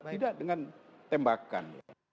tidak dengan tembakan